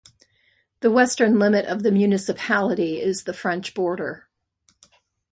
The western limit of the municipality is the French border.